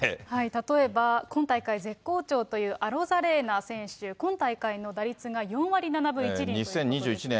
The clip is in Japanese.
例えば、今大会絶好調という、アロザレーナ選手、今大会の打率が４割７分１厘ということで。